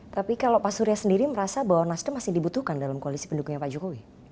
tapi kalau pak surya sendiri merasa bahwa nasdem masih dibutuhkan dalam koalisi pendukungnya pak jokowi